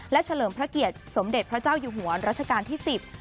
และเฉลิมพระเกียรติสมเด็จพระเจ้าอยู่หัวรัชกาลที่สิบ